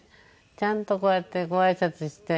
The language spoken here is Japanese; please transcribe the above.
ちゃんとこうやってごあいさつして。